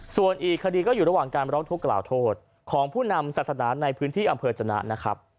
ส่วนอีกคดีก็อยู่ระหว่างการร้องทุกข์กล่าวโทษของผู้นำศาสนาในพื้นที่อำเภอจนะนะครับ